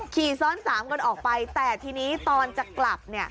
ขี่ซ้อนสามกันออกไปแต่ทีนี้ตอนจะกลับ